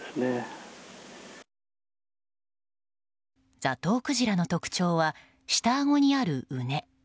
ザトウクジラの特徴は下あごにあるうね。